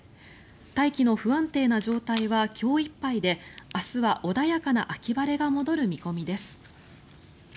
大気の不安定な状態は今日いっぱいで明日は穏やかな秋晴れが戻る見込みです。